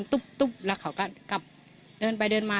ตุ๊บแล้วเขาก็กลับเดินไปเดินมา